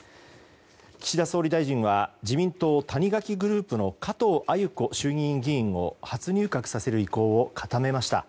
岸田総理大臣は自民党谷垣グループの加藤鮎子衆議院議員を初入閣させる意向を固めました。